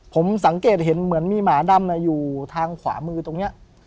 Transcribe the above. ผมสังเกตเห็นเหมือนมีหมาดำอยู่ทางขวามือตรงนี้